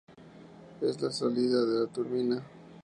Es la salida de la turbina.